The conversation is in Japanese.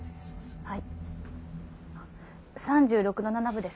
はい。